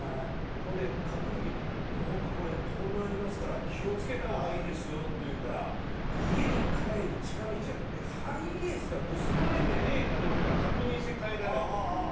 ほんで買った時に「よくこれ盗難ありますから気を付けた方がいいですよ」って言うから家に帰る近道じゃなくてハイエースが盗まれてねえかどうか確認して帰らないと。